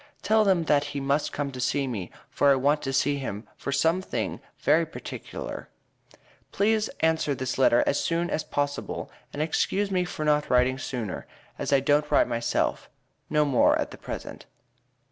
tel him that he must come to see me for i want to see him for sum thing very perticler. please ansure this letter as soon as posabul and excuse me for not writting sooner as i don't write myself. no more at the present.